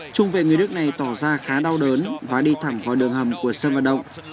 trung vệ người nước này tỏ ra khá đau đớn và đi thẳng vào đường hầm của sân vận động